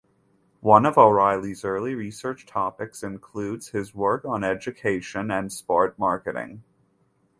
One of O’Reilly’s early research topics includes his work on education and sport marketing.